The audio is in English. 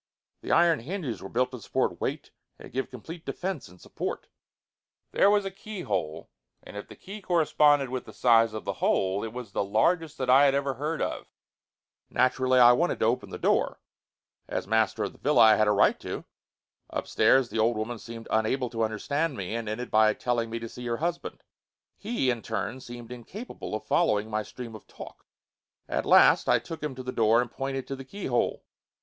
The iron hinges were built to support weight and give complete defense and support. There was a keyhole, and if the key corresponded with the size of the hole, it was the largest that I had ever heard of. Naturally, I wanted to open the door. As master of the villa, I had a right to. Upstairs the old woman seemed unable to understand me and ended by telling me to see her husband. He, in turn, seemed incapable of following my stream of talk. At last, I took him to the door and pointed to the keyhole.